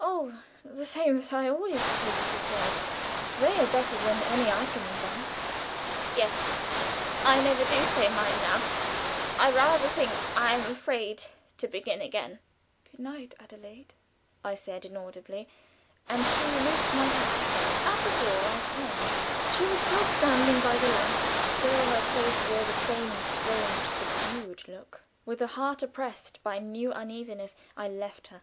"Oh! the same that I always used to say; they are better than any I can invent." "Yes. I never do say mine now. I rather think I am afraid to begin again." "Good night, Adelaide," I said, inaudibly; and she loosed my hand. At the door I turned. She was still standing by the lamp; still her face wore the same strange, subdued look. With a heart oppressed by new uneasiness, I left her.